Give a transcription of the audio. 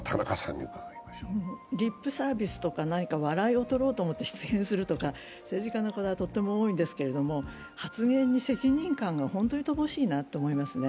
リップサービスとか何か笑いをとろうと思って失言するとか、政治家の方、とっても多いんですけど、発言に責任感が本当に乏しいなと思いますね。